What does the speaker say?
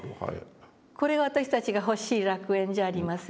これ私たちが欲しい楽園じゃありませんか。